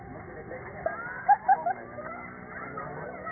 มันอยู่ข้างหลัง